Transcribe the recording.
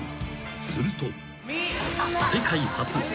すると］